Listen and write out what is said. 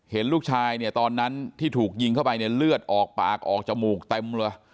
เห็นลูกชายเนี่ยตอนนั้นที่ถูกยิงเข้าไปเนี่ยเลือดออกปากออกจมูกเต็มเลย